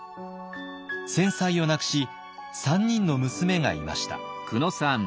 先妻を亡くし３人の娘がいました。